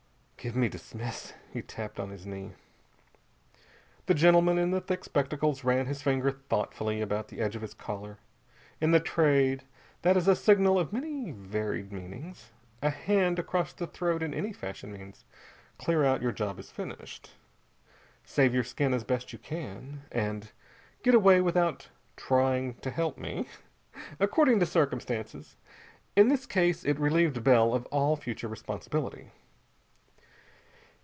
"Give me dismiss," he tapped on his knee. The gentleman in the thick spectacles ran his finger thoughtfully about the edge of his collar. In the Trade that is a signal of many varied meanings. A hand across the throat in any fashion means, "Clear out, your job is finished," "Save your skin as best you can," and "Get away without trying to help me," according to circumstances. In this case it relieved Bell of all future responsibility.